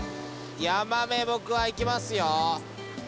ヤマメ僕はいきますよ。